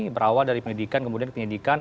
berawal dari penyelidikan kemudian penyelidikan